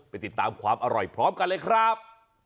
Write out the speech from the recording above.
ติดตามความอร่อยพร้อมกันเลยครับ